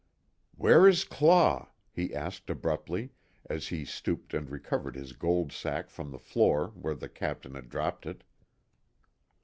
"Where is Claw?" he asked, abruptly, as he stooped and recovered his gold sack from the floor where the Captain had dropped it.